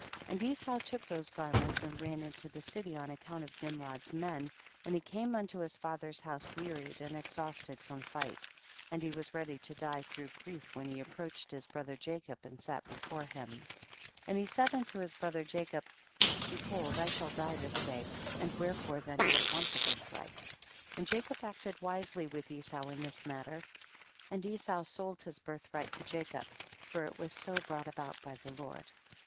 And Esau took those garments and ran into the city on account of Nimrod's men, and he came unto his father's house wearied and exhausted from fight, and he was ready to die through grief when he approached his brother Jacob and sat before him. 12. And he said unto his brother Jacob, behold I shall die this day, and wherefore then do I want the birthright ? And Jacob acted wisely with Esau in this matter, and Esau sold his birthright to Jacob, for it was so brought about by the Lord. 13.